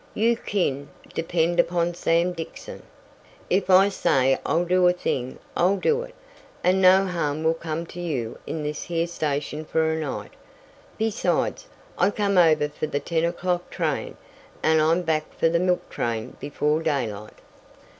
You kin depend upon Sam Dixon. If I say I'll do a thing I'll do it; and no harm will come to you in this here station for a night. Besides, I come over for the ten o'clock train, and I'm back for the milk train before daylight."